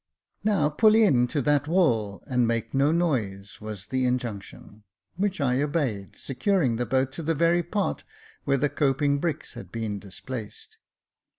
" Now pull in to that wall, and make no noise," was the injunction ; which I obeyed, securing the boat to the very part where the coping bricks had been displaced.